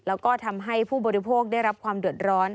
แล้วก็ทำให้ผู้บริโภคได้รับความเดือดร้อน